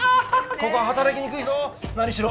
ここは働きにくいぞ何しろ